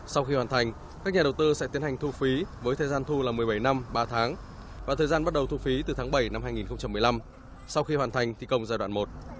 sau khi hoàn thành các nhà đầu tư sẽ tiến hành thu phí với thời gian thu là một mươi bảy năm ba tháng và thời gian bắt đầu thu phí từ tháng bảy năm hai nghìn một mươi năm sau khi hoàn thành thi công giai đoạn một